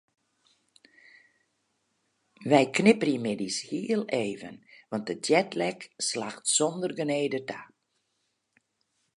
Wy knipperje middeis hiel even want de jetlag slacht sonder genede ta.